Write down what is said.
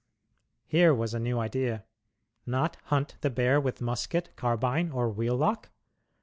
Here was a new idea. Not hunt the bear with musket, carbine, or wheel lock?